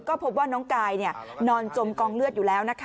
ก็พบว่าน้องกายนอนจมกองเลือดอยู่แล้วนะคะ